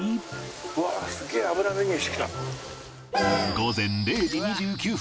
午前０時２９分